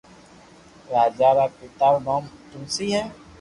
راجا رآ پيتا رو نوم تلسي ھي